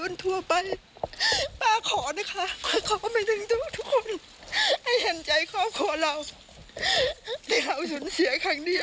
ในครอบครัวเราที่เราสูญเสียครั้งนี้